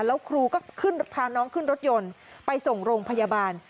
แล้วครูก็ขึ้นพาน้องขึ้นรถยนต์ไปส่งโรงพยาบาล